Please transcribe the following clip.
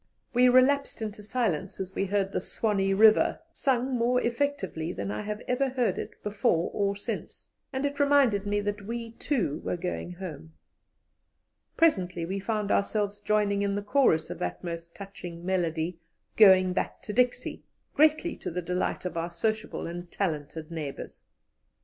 We relapsed into silence as we heard the "Swanee River" sung more effectively than I have ever heard it before or since, and it reminded me that we, too, were going home. Presently we found ourselves joining in the chorus of that most touching melody, "Going back to Dixie," greatly to the delight of our sociable and talented neighbours.